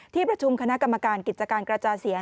ที่ประชุมคณะกรรมการกิจการกระจายเสียง